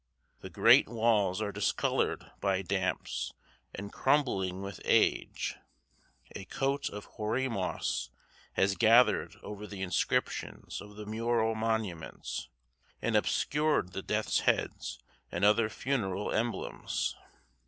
The gray walls are discolored by damps and crumbling with age; a coat of hoary moss has gathered over the inscriptions of the mural monuments, and obscured the death's heads and other funeral emblems.